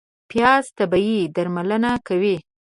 پیاز طبیعي درملنه کوي